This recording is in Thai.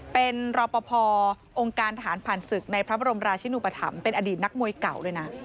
เป็นรอปภองค์การฐานผ่านศึกในพระบรมราชินุปธรรมเป็นอดีตนักมวยเก่าด้วยนะ